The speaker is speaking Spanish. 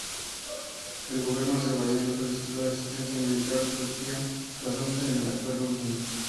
El gobierno azerbaiyano solicitó la asistencia militar de Turquía basándose en el acuerdo último.